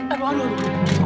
aduh aduh aduh